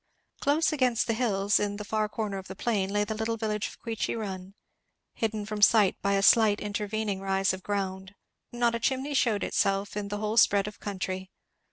Close against the hills, in the far corner of the plain, lay the little village of Queechy Run, hid from sight by a slight intervening rise of ground; not a chimney shewed itself in the whole spread of country.